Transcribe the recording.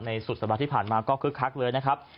ในสุดสบายที่ผ่านมาก็คลิกคลักเลยนะครับ